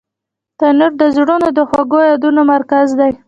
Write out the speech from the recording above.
تنور د زړونو د خوږو یادونو مرکز دی